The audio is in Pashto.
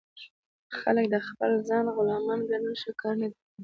خلک د خپل ځان غلامان ګڼل ښه کار نه دئ.